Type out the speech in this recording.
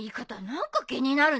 何か気になるね。